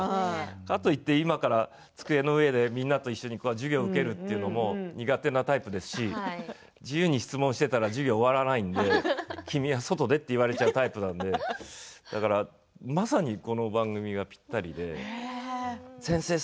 かといって今から机の上でみんなと一緒に授業を受けるというのも、苦手なタイプですし自由に質問していたら授業が終わらないので君は外で、と言われてしまうタイプなのでまさにこの番組がぴったりです。